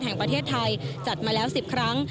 แห่งประเทศไทยจัดมาแล้ว๑๐ครั้ง